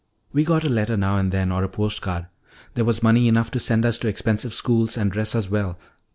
We got a letter now and then, or a post card. There was money enough to send us to expensive schools and dress us well.